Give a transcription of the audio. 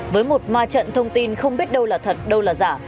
với một ma trận thông tin không biết đâu là thật đâu là giả